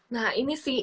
nah ini sih